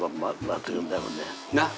なっ！